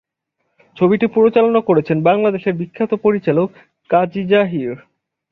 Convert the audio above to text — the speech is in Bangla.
ছবিটি পরিচালনা করেছেন বাংলাদেশের বিখ্যাত পরিচালক কাজী জহির।